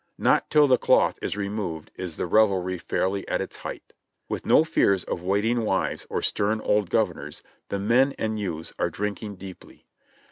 Not till the cloth is removed is the revelry fairly at its height. With no fears of waiting wives or stern old governors, the men and youths are drinking deeply.